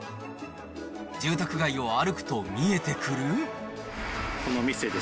住宅街を歩くと見えてくる。